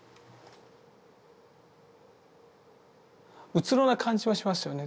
うつろな感じはしますよね